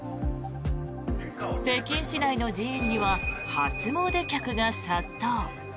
北京市内の寺院には初詣客が殺到。